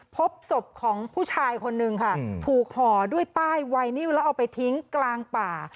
พบศพของผู้ชายคนนึงค่ะถูกห่อด้วยป้ายไวนิวแล้วเอาไปทิ้งกลางป่า